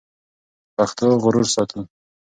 پښتو غرور ساتي.